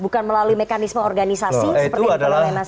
bukan melalui mekanisme organisasi seperti yang telah menelan nastian